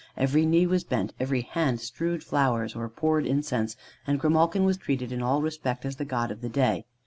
Every knee was bent, every hand strewed flowers, or poured incense, and Grimalkin was treated in all respects as the god of the day.